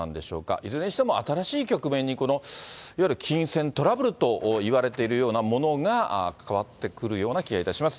いずれにしても新しい局面に、このいわゆる金銭トラブルといわれているようなものが関わってくるような気がいたします。